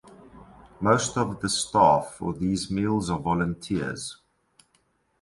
Most of the staff for these meals are volunteers.